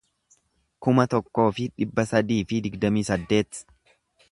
kuma tokkoo fi dhibba sadii fi digdamii saddeet